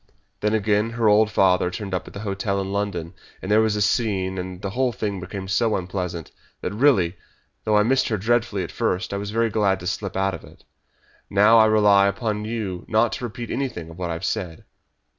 Then, again, her old father turned up at the hotel in London, and there was a scene, and the whole thing became so unpleasant that really though I missed her dreadfully at first I was very glad to slip out of it. Now, I rely upon you not to repeat anything of what I have said."